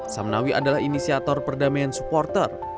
samnawi adalah inisiator perdamaian supporter